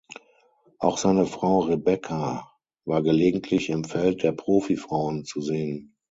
Auch seine Frau "Rebekka" war gelegentlich im Feld der Profi-Frauen zu sehen.